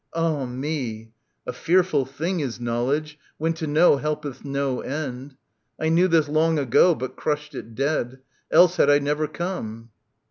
Ah me I A fearful thing is knowledge, when to know Helpeth no end. I knew this long ago. But crushed it dead. Else had I never come.